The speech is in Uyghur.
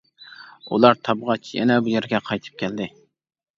ئۇلار تابغاچ، يەنە بۇ يەرگە قايتىپ كەلدى.